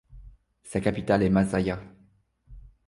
Sa capitale est Masaya.